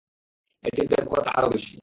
এটার ব্যাপকতা আরো বেশি।